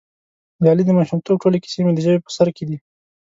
د علي د ماشومتوب ټولې کیسې مې د ژبې په سر کې دي.